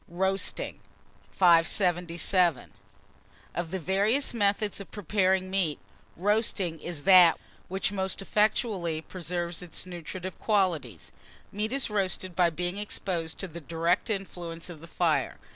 ROASTING. 577. OF THE VARIOUS METHODS OF PREPARING MEAT, ROASTING is that which most effectually preserves its nutritive qualities. Meat is roasted by being exposed to the direct influence of the fire.